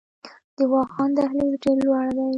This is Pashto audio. د واخان دهلیز ډیر لوړ دی